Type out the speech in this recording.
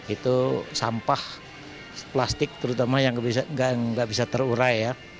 itu sampah plastik terutama yang nggak bisa terurai ya